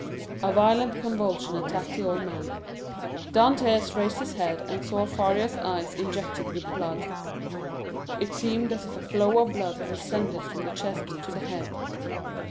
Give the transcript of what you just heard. A violent convulsion attacked the old man. Dantès raised his head and saw Faria's eyes injected with blood. It seemed as if a flow of blood had ascended from the chest to the head.